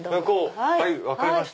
はい分かりました。